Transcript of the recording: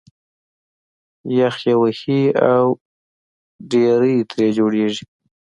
یخ یې وهي او ډېرۍ ترې جوړېږي